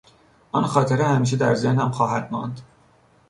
آن خاطره همیشه در ذهنم خواهد ماند.